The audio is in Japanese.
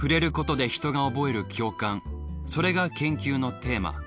それが研究のテーマ。